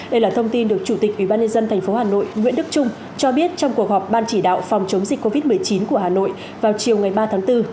đây là thông tin được chủ tịch ubnd tp hà nội nguyễn đức trung cho biết trong cuộc họp ban chỉ đạo phòng chống dịch covid một mươi chín của hà nội vào chiều ngày ba tháng bốn